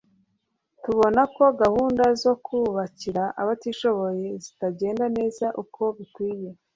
turabona ko gahunda zo kubakira abatishoboye zitagenda neza uko bikwiye